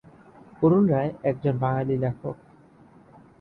অরুণ রায় একজন বাঙালি লেখক।